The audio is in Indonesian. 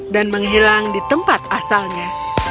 dan menghilang di tempat asalnya